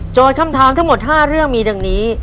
คำถามทั้งหมด๕เรื่องมีดังนี้